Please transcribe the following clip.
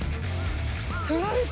取られた。